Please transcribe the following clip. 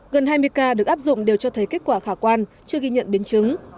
gần hai mươi ca được áp dụng đều cho thấy kết quả khả quan chưa ghi nhận biến chứng